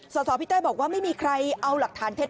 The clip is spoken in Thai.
สสพี่เต้บอกว่าไม่มีใครเอาหลักฐานเท็จ